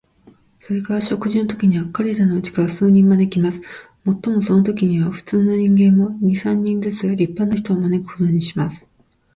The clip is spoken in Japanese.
それから食事のときには、彼等のうちから数人招きます。もっともそのときには、普通の人間も、二三人ずつ立派な人を招くことにします。